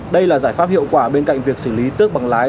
đây là giải pháp hiệu quả bên cạnh việc xử lý tước bằng lái